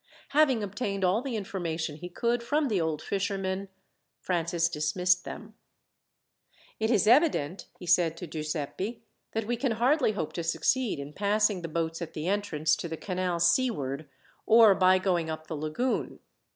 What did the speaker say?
Having obtained all the information he could from the old fishermen, Francis dismissed them. "It is evident," he said to Giuseppi, "that we can hardly hope to succeed in passing the boats at the entrance to the canal seaward, or by going up the lagoon.